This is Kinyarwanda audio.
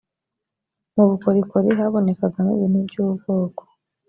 mu bukorikori habonekagamo ibintu by ubwoko